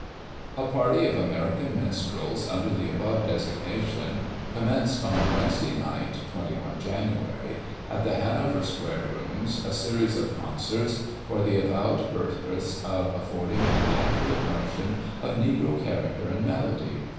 A party of American minstrels, under the above designa tion, commenced on Wednesday night (21 Jan.), at the Hanover Square Rooms, a series of concerts, for the avowed 19 Digitized by Google 290 GOSSIP. [1846 purpose of affording an accurate notion of Negro character and melody.